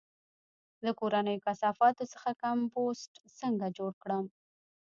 د کورنیو کثافاتو څخه کمپوسټ څنګه جوړ کړم؟